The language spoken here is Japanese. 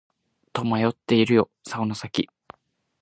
とまっているよ竿の先